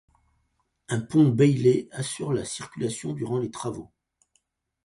Un pont Bailey assure la circulation durant les travaux.